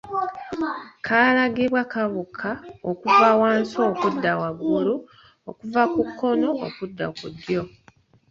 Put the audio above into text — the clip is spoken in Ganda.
Kalagibwa kabuka okuva wansi okudda waggulu okuva ku kkono okudda ku ddyo